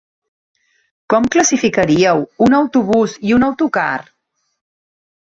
Com classificaríeu un autobús i un autocar?